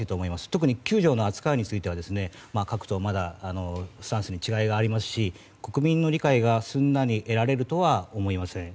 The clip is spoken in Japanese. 特に９条の扱いについては各党まだスタンスの違いがありますし国民の理解がすんなり得られるとは思えません。